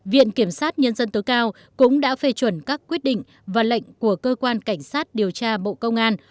viện kiểm sát nhân dân tối cao cũng đã phê chuẩn các quyết định và lệnh của cơ quan cảnh sát điều tra bộ công an